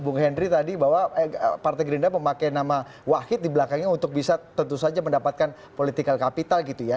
dan saya sendiri tadi bahwa partai gerindra memakai nama wahid di belakangnya untuk bisa tentu saja mendapatkan political capital gitu ya